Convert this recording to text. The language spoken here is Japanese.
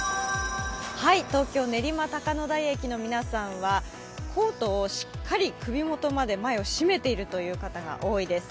東京・練馬高野台駅の皆さんはコートをしっかり首元まで前を閉めている方が多いです。